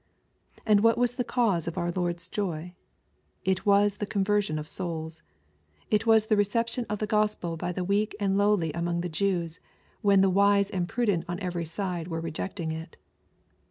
And what was the cause of our Lord's joy ? It was the conversion of souls. It was the reception of the 864 EXPOSnOST THOUGHTfll Oo0pel by the weak and lowly amoDg the Jews, when the " wise and prudent" on ereiy side were rejecting it.